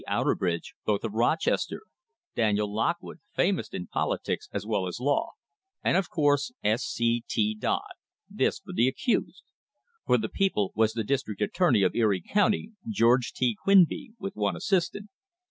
Outerb ridge, both of Rochester; Daniel Lockwood, famous in politics as well as law; and, of course, S. C. T. Dodd. This for the accused. For the people was the district attorney of Erie County, George T. Quinby, with one assist ant.